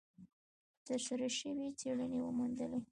ترسره شوې څېړنې وموندلې،